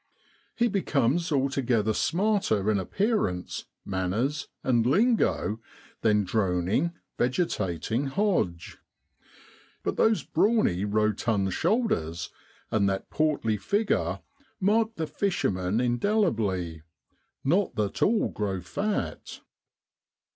He becomes altogether smarter in appearance, manners, and lingo, than droning, vegetating Hodge. But those brawny, rotund shoulders and that portly figure mark the fisherman indelibly not that all grow fat.